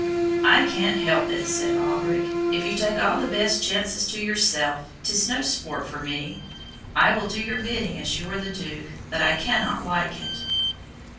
"I can't help it," said Alberic; "if you take all the best chances to yourself, 'tis no sport for me. I will do your bidding, as you are the Duke, but I cannot like it."